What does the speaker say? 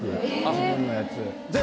自分のやつ。